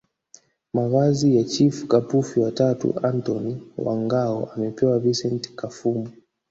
Mavazi ya Chifu Kapufi wa tatu Antony wa Ngao amepewa Vicent Kafumu